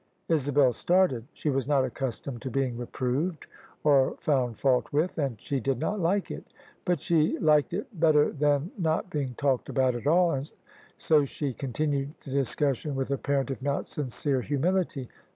Isabel started. She was not accustomed to being reproved or found fault with, and she did not like it. But she liked it better than not being talked about at all; so she continued the discussion with apparent, if not sincere, hu mility.